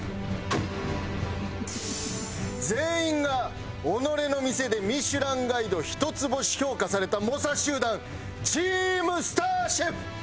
全員が己の店で『ミシュランガイド』一つ星評価された猛者集団チームスターシェフ！